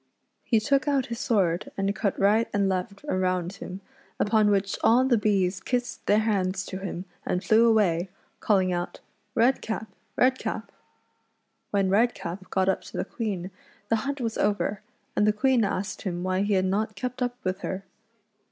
He took out his sword and cut right and left around him, upon which all the bees kissed their hands to him and flew away, calling out —" Redcap ! Redcap !" When Redcap got up to the Queen the hunt was over, and the Queen asked him why he had not kci)t up with her.